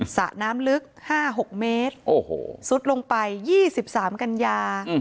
สระน้ำลึกห้าหกเมตรโอ้โหสุดลงไปยี่สิบสามกันยา